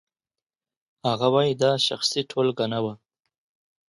هغه وايي دا شخصي ټولګه نه وه.